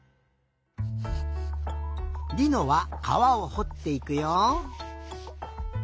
りのはかわをほっていくよ。